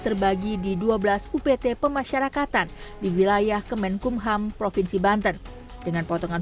terbagi di dua belas upt pemasyarakatan di wilayah kemenkumham provinsi banten dengan potongan